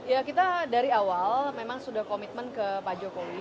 ya kita dari awal memang sudah komitmen ke pak jokowi